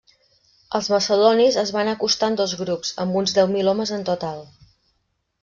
Els macedonis es van acostar en dos grups amb uns deu mil homes en total.